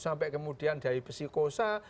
sampai kemudian dari psikosa